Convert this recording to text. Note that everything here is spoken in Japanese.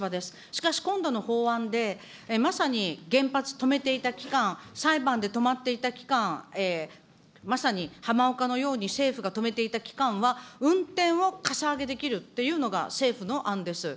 しかし、今度の法案で、まさに原発止めていた期間、裁判で止まっていた期間、まさにはまおかのように政府が止めていた期間は、運転をかさ上げできるっていうのが政府の案です。